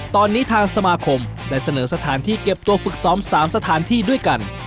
ตอนนี้ทางสมาคมได้เสนอสถานที่เก็บตัวฝึกซ้อม๓สถานที่ด้วยกัน